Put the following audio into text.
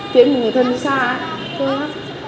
chỉ một người thân xa thôi á